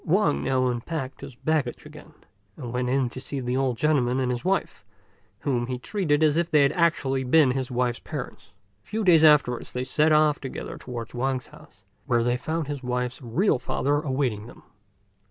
Wang now unpacked his baggage again, and went in to see the old gentleman and his wife, whom he treated as if they had actually been his wife's parents. A few days afterwards they set off together towards Wang's home, where they found his wife's real father awaiting them.